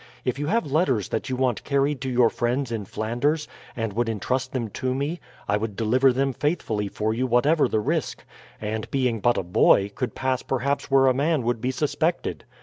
If you have letters that you want carried to your friends in Flanders, and would intrust them to me, I would deliver them faithfully for you whatever the risk; and being but a boy, could pass perhaps where a man would be suspected.